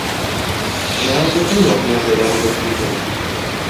یہاں کتنی نوکریاں پیدا ہو سکتی ہیں؟